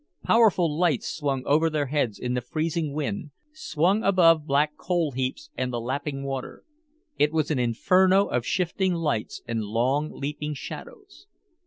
Powerful lights swung over their heads in the freezing wind, swung above black coal heaps and the lapping water. It was an inferno of shifting lights and long leaping shadows.